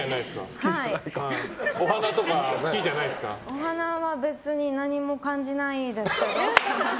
お花は別に何も感じないですけど。